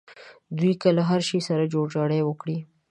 دوی که له هر شي سره جوړجاړی وکړي.